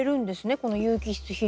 この有機質肥料。